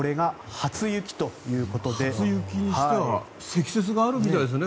初雪にしては積雪があるみたいですね。